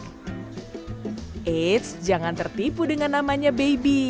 eits jangan tertipu dengan namanya baby